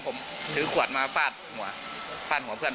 ช่วยเร่งจับตัวคนร้ายให้ได้โดยเร่ง